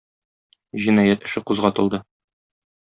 Җинаять эше кузгатылды.